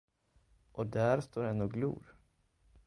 Och där står en och glor.